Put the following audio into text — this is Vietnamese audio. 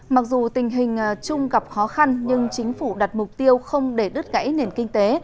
mặc dù tình hình chung gặp khó khăn nhưng chính phủ đặt mục tiêu không để đứt gãy nền kinh tế